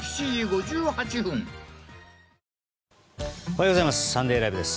おはようございます。